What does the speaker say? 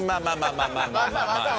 まあまあまあね。